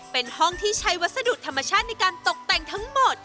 เป็นห้องที่ใช้วัสดุธรรมชาติในการตกแต่งทั้งหมด